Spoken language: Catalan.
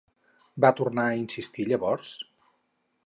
Va tornar a insistir llavors?